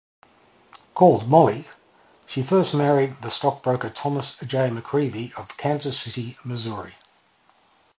Called "Molly", she first married the stockbroker Thomas J. McGreevy of Kansas City, Missouri.